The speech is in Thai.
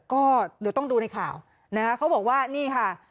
ก็เดี๋ยวต้องดูในข่าวนะคะเขาบอกว่านี่ค่ะ